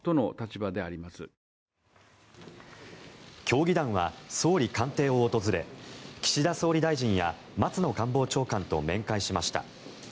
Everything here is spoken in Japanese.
協議団は総理官邸を訪れ岸田総理大臣や松野官房長官と面会しました。